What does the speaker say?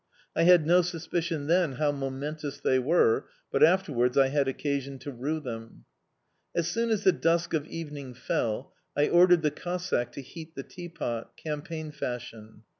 I had no suspicion then how momentous they were, but afterwards I had occasion to rue them. As soon as the dusk of evening fell, I ordered the Cossack to heat the teapot, campaign fashion.